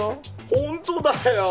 本当だよ！